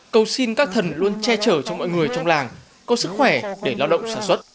cầu xin các thần luôn che chở cho mọi người trong làng có sức khỏe để lao động sản xuất